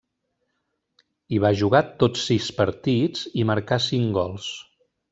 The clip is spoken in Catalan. Hi va jugar tots sis partits, i marcà cinc gols.